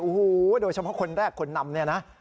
โอ้โหโดยเฉพาะคนแรกคนนำเนี่ยนะ